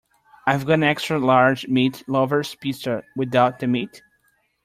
I’ve got an extra large meat lover’s pizza, without the meat?